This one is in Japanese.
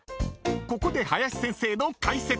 ［ここで林先生の解説］